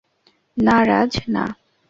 না রাজ, না।